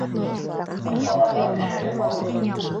Оҫталарҙан эшләтеп алдыҡ.